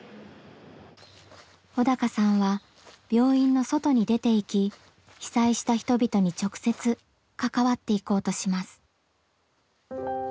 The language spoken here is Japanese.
小鷹さんは病院の外に出ていき被災した人々に直接関わっていこうとします。